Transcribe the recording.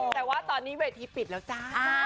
แต่ว่าตอนนี้เวทีปิดแล้วจ้า